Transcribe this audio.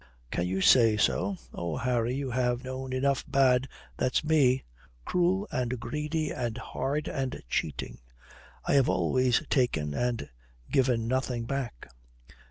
"Can you say so? Ah, Harry, you have known enough bad that's me, cruel and greedy and hard and cheating. I have always taken, and given nothing back."